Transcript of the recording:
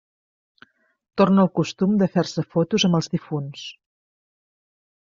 Torna el costum de fer-se fotos amb els difunts.